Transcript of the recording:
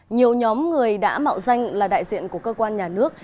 nhiều nhóm người đã mạo danh là đại diện của cơ quan nhà nước